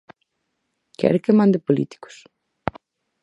¿Quere que mande políticos?